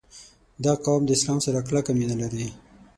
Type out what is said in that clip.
• دا قوم د اسلام سره کلکه مینه لري.